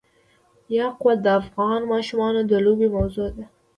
یاقوت د افغان ماشومانو د لوبو موضوع ده.